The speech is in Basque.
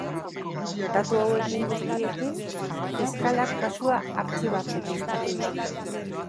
Datu hauekin guztiekin, fiskalak kasua artxibatzeko eskatu du.